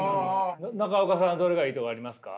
中岡さんどれがいいとかありますか？